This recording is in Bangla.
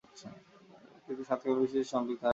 এটি একটি সাত কার্বন বিশিষ্ট সম্পৃক্ত হাইড্রোকার্বন।